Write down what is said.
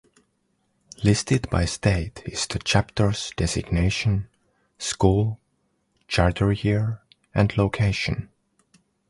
Listed by state is the chapter's designation, school, charter year and location.